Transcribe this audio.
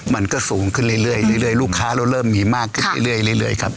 มันก็สูงขึ้นเรื่อยลูกค้าเราเริ่มมีมากขึ้นเรื่อยครับ